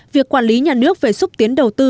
việc quản lý nhà nước về xúc tiến đầu tư